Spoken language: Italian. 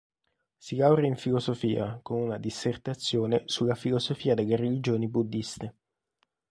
Si laurea in Filosofia con una dissertazione sulla filosofia delle religioni buddhiste.